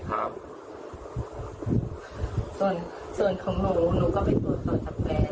ส่วนของผมหนูก็ไปตรวจตรวจทางแม่คือได้ไปเข้าไปรับ